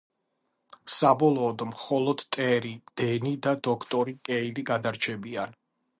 საბოლოოდ მხოლოდ ტერი, დენი და დოქტორი კეილი გადარჩებიან.